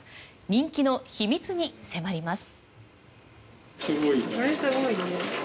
人気の秘密に迫ります。